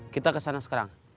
kita kesana sekarang